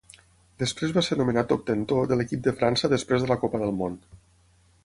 Després va ser nomenat obtentor de l'equip de França després de la Copa del Món.